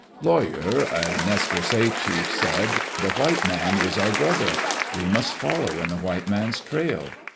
Lawyer, a Nez Perces chief, said, "The white man is our brother. We must follow in the white man*s trail."